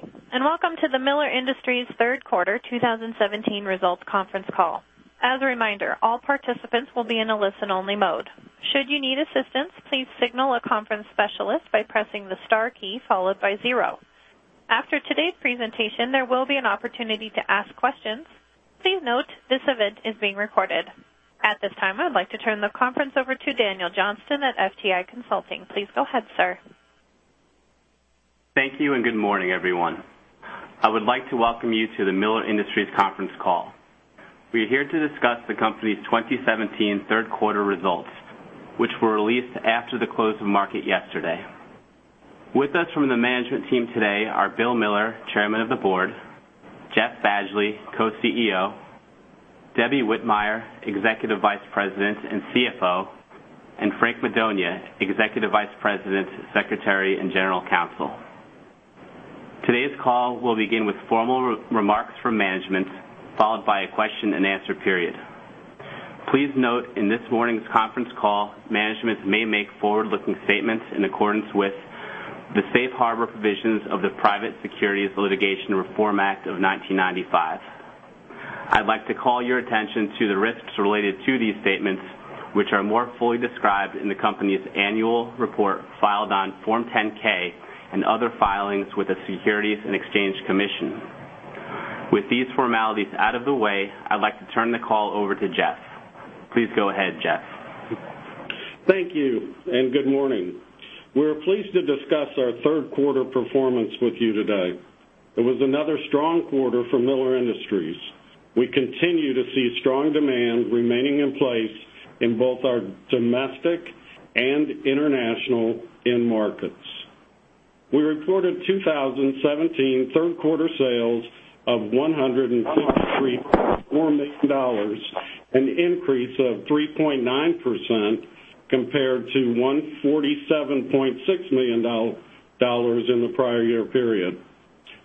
Good day, welcome to the Miller Industries third quarter 2017 results conference call. As a reminder, all participants will be in a listen-only mode. Should you need assistance, please signal a conference specialist by pressing the star key followed by zero. After today's presentation, there will be an opportunity to ask questions. Please note, this event is being recorded. At this time, I would like to turn the conference over to Daniel Johnston at FTI Consulting. Please go ahead, sir. Thank you, good morning, everyone. I would like to welcome you to the Miller Industries conference call. We are here to discuss the company's 2017 third quarter results, which were released after the close of market yesterday. With us from the management team today are Bill Miller, Chairman of the Board, Jeff Badgley, Co-CEO, Debbie Whitmire, Executive Vice President and CFO, and Frank Madonia, Executive Vice President, Secretary, and General Counsel. Today's call will begin with formal remarks from management, followed by a question-and-answer period. Please note, in this morning's conference call, management may make forward-looking statements in accordance with the safe harbor provisions of the Private Securities Litigation Reform Act of 1995. I'd like to call your attention to the risks related to these statements, which are more fully described in the company's annual report filed on Form 10-K and other filings with the Securities and Exchange Commission. With these formalities out of the way, I'd like to turn the call over to Jeff. Please go ahead, Jeff. Thank you, good morning. We're pleased to discuss our third quarter performance with you today. It was another strong quarter for Miller Industries. We continue to see strong demand remaining in place in both our domestic and international end markets. We reported 2017 third quarter sales of $153.4 million, an increase of 3.9% compared to $147.6 million in the prior year period.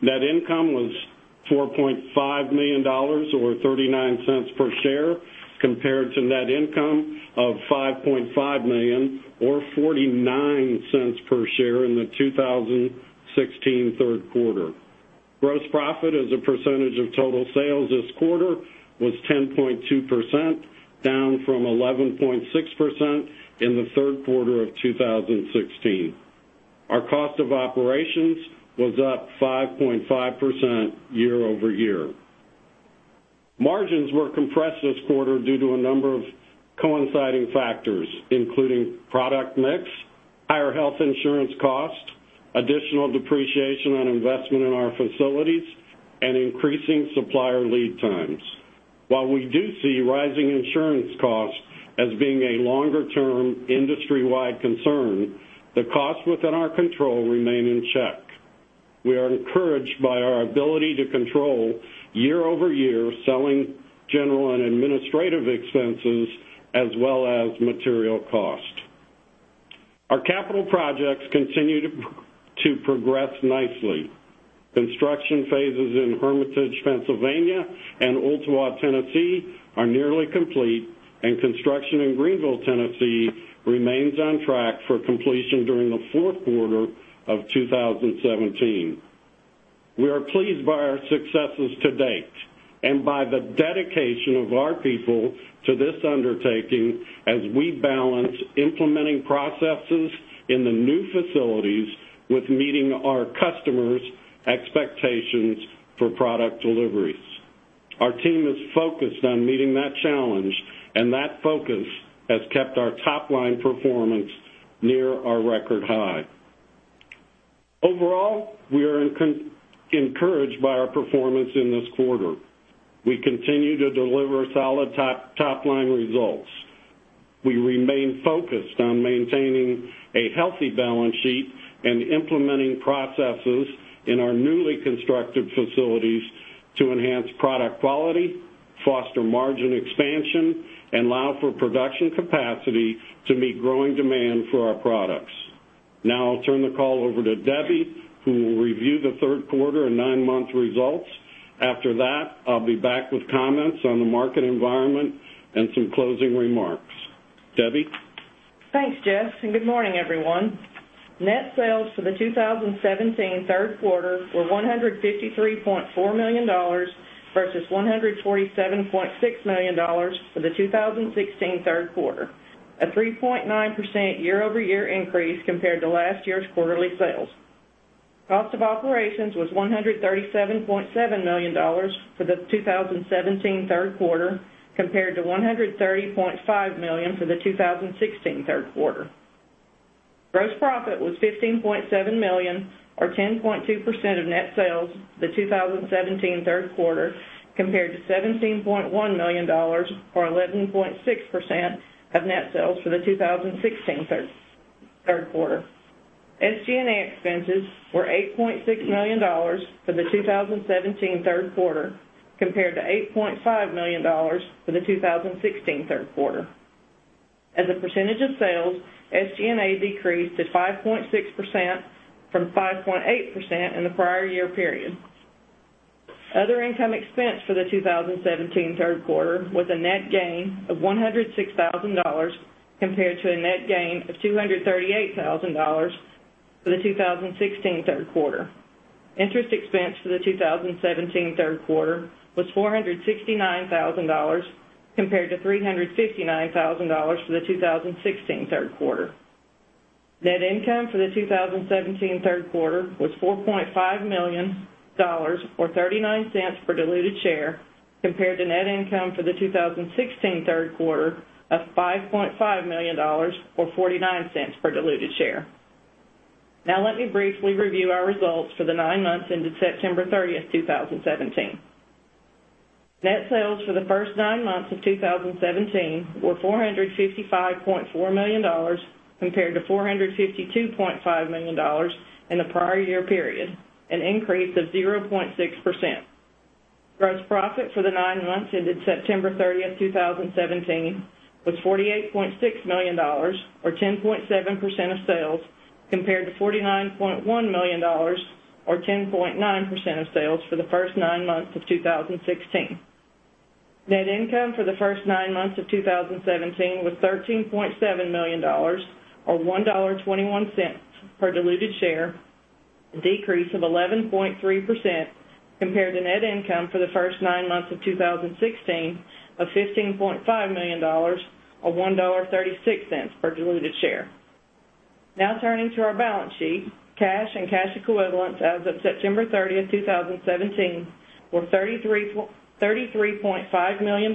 Net income was $4.5 million, or $0.39 per share, compared to net income of $5.5 million, or $0.49 per share in the 2016 third quarter. Gross profit as a percentage of total sales this quarter was 10.2%, down from 11.6% in the third quarter of 2016. Our cost of operations was up 5.5% year-over-year. Margins were compressed this quarter due to a number of coinciding factors, including product mix, higher health insurance cost, additional depreciation on investment in our facilities, and increasing supplier lead times. While we do see rising insurance costs as being a longer-term industry-wide concern, the costs within our control remain in check. We are encouraged by our ability to control year-over-year selling, general, and administrative expenses, as well as material cost. Our capital projects continue to progress nicely. Construction phases in Hermitage, Pennsylvania, and Ooltewah, Tennessee, are nearly complete, and construction in Greeneville, Tennessee, remains on track for completion during the fourth quarter of 2017. We are pleased by our successes to date and by the dedication of our people to this undertaking as we balance implementing processes in the new facilities with meeting our customers' expectations for product deliveries. Our team is focused on meeting that challenge. That focus has kept our top-line performance near our record high. Overall, we are encouraged by our performance in this quarter. We continue to deliver solid top-line results. We remain focused on maintaining a healthy balance sheet and implementing processes in our newly constructed facilities to enhance product quality, foster margin expansion, and allow for production capacity to meet growing demand for our products. I'll turn the call over to Debbie, who will review the third quarter and nine-month results. After that, I'll be back with comments on the market environment and some closing remarks. Debbie? Thanks, Jeff. Good morning, everyone. Net sales for the 2017 third quarter were $153.4 million versus $147.6 million for the 2016 third quarter, a 3.9% year-over-year increase compared to last year's quarterly sales. Cost of operations was $137.7 million for the 2017 third quarter, compared to $130.5 million for the 2016 third quarter. Gross profit was $15.7 million, or 10.2% of net sales the 2017 third quarter, compared to $17.1 million, or 11.6% of net sales for the 2016 third quarter. SG&A expenses were $8.6 million for the 2017 third quarter, compared to $8.5 million for the 2016 third quarter. As a percentage of sales, SG&A decreased to 5.6% from 5.8% in the prior year period. Other income expense for the 2017 third quarter was a net gain of $106,000 compared to a net gain of $238,000 for the 2016 third quarter. Interest expense for the 2017 third quarter was $469,000 compared to $359,000 for the 2016 third quarter. Net income for the 2017 third quarter was $4.5 million, or $0.39 per diluted share, compared to net income for the 2016 third quarter of $5.5 million, or $0.49 per diluted share. Let me briefly review our results for the nine months ended September 30, 2017. Net sales for the first nine months of 2017 were $455.4 million compared to $452.5 million in the prior year period, an increase of 0.6%. Gross profit for the nine months ended September 30, 2017 was $48.6 million, or 10.7% of sales, compared to $49.1 million, or 10.9% of sales for the first nine months of 2016. Net income for the first nine months of 2017 was $13.7 million, or $1.21 per diluted share, a decrease of 11.3% compared to net income for the first nine months of 2016 of $15.5 million, or $1.36 per diluted share. Turning to our balance sheet. Cash and cash equivalents as of September 30, 2017 were $33.5 million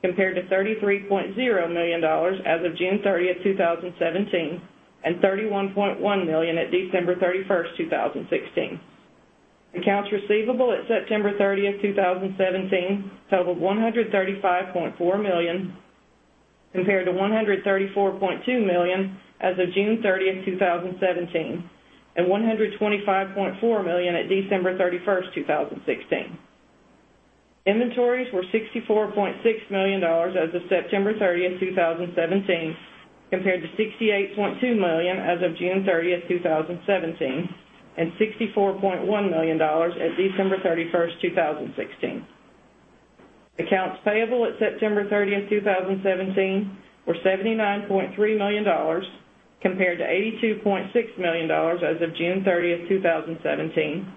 compared to $33.0 million as of June 30, 2017, and $31.1 million at December 31, 2016. Accounts receivable at September 30, 2017 totaled $135.4 million compared to $134.2 million as of June 30, 2017, and $125.4 million at December 31, 2016. Inventories were $64.6 million as of September 30, 2017 compared to $68.2 million as of June 30, 2017, and $64.1 million at December 31, 2016. Accounts payable at September 30, 2017 were $79.3 million compared to $82.6 million as of June 30, 2017,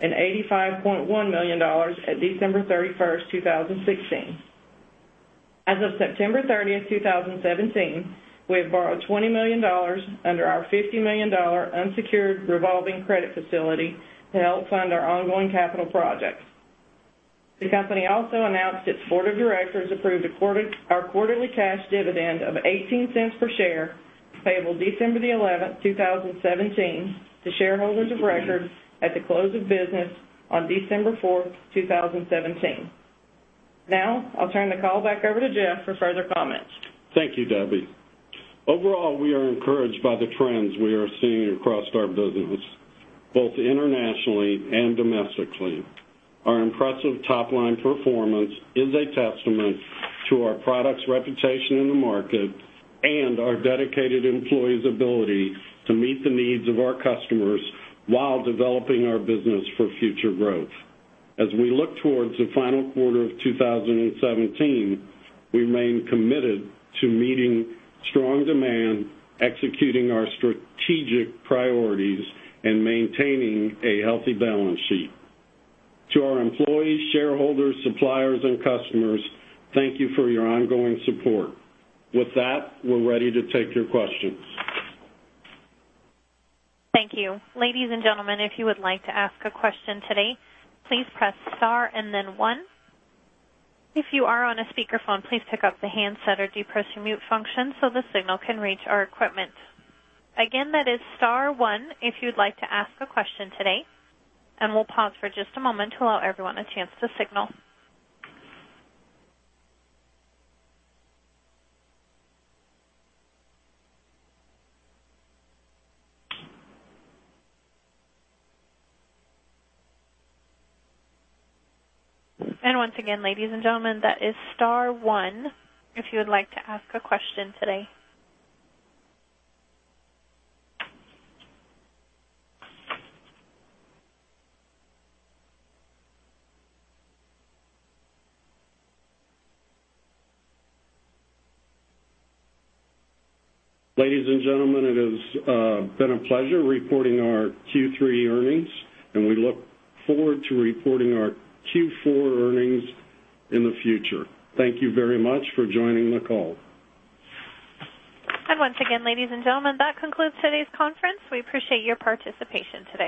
and $85.1 million at December 31, 2016. As of September 30, 2017, we have borrowed $20 million under our $50 million unsecured revolving credit facility to help fund our ongoing capital projects. The company also announced its board of directors approved our quarterly cash dividend of $0.18 per share payable December the 11th, 2017 to shareholders of record at the close of business on December 4th, 2017. I'll turn the call back over to Jeff for further comments. Thank you, Debbie. Overall, we are encouraged by the trends we are seeing across our business, both internationally and domestically. Our impressive top-line performance is a testament to our product's reputation in the market and our dedicated employees' ability to meet the needs of our customers while developing our business for future growth. As we look towards the final quarter of 2017, we remain committed to meeting strong demand, executing our strategic priorities, and maintaining a healthy balance sheet. To our employees, shareholders, suppliers, and customers, thank you for your ongoing support. With that, we're ready to take your questions. Thank you. Ladies and gentlemen, if you would like to ask a question today, please press star and then one. If you are on a speakerphone, please pick up the handset or depress your mute function so the signal can reach our equipment. Again, that is star one if you'd like to ask a question today. We'll pause for just a moment to allow everyone a chance to signal. Once again, ladies and gentlemen, that is star one if you would like to ask a question today. Ladies and gentlemen, it has been a pleasure reporting our Q3 earnings, we look forward to reporting our Q4 earnings in the future. Thank you very much for joining the call. Once again, ladies and gentlemen, that concludes today's conference. We appreciate your participation today.